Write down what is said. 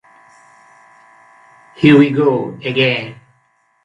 Here we go again!